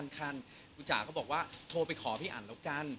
คันคุณจ๋าก็บอกว่าโทรไปขอพี่อันแล้วกัน